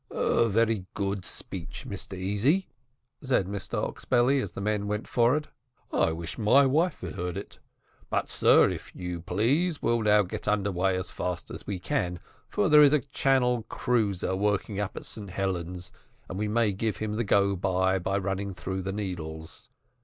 "A very good speech, Mr Easy," said Mr Oxbelly, as the men went forward; "I wish my wife had heard it. But, sir, if you please, we'll now get under way as fast as we can, for there is a Channel cruiser working up at St. Helen's, and we may give him the go by by running through the Needles."